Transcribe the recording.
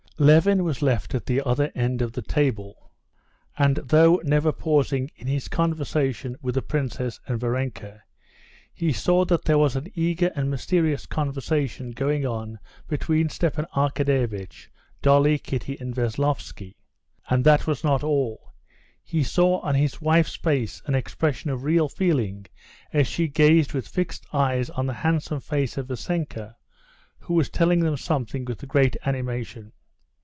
Levin was left at the other end of the table, and though never pausing in his conversation with the princess and Varenka, he saw that there was an eager and mysterious conversation going on between Stepan Arkadyevitch, Dolly, Kitty, and Veslovsky. And that was not all. He saw on his wife's face an expression of real feeling as she gazed with fixed eyes on the handsome face of Vassenka, who was telling them something with great animation.